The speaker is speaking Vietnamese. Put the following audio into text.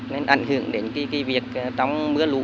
nên ảnh hưởng đến cái việc trong mưa lụ